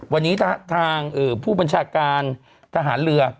วันนี้ทางผู้บัญชาการทหารเรือ